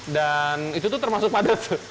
dan itu tuh termasuk padat